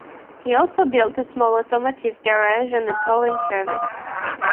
He also built a small automotive garage and a towing service.